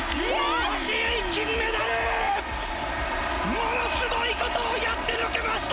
ものすごいことをやってのけました！